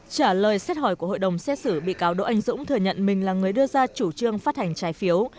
trả lời xét hỏi của hội đồng xét xử bị cáo đỗ anh dũng thừa nhận mình là người đưa ra chủ trương phát hành trái phiếu